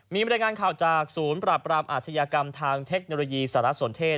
มีบรรยายงานข่าวจากศูนย์ปราบรามอาชญากรรมทางเทคโนโลยีสารสนเทศ